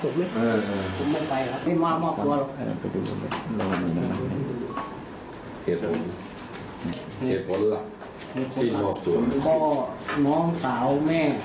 พ่อน้องสาวแม่